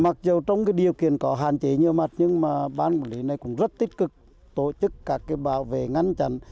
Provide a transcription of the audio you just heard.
mặc dù trong điều kiện có hạn chế nhiều mặt nhưng mà ban quản lý này cũng rất tích cực tổ chức các cái bảo vệ ngăn chặn